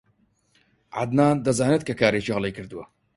عەدنان دەزانێت کە کارێکی هەڵەی کردووە.